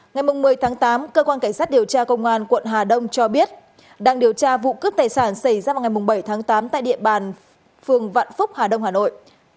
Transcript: ngày một mươi tháng tám cơ quan cảnh sát điều tra công an quận hà đông cho biết đang điều tra vụ cướp tài sản xảy ra vào ngày bảy tháng tám tại địa bàn phường vạn phúc hà đông hà nội